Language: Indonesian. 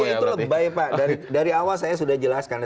itu lebay pak dari awal saya sudah jelaskan